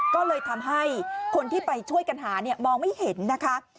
ก็เลยทำให้คนที่ไปช่วยกันหาเนี่ยมองไม่เห็นนะคะ